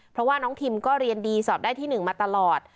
เพราะว่าน้องทิมก็เรียนดีสอบได้ที่๑มาตลอด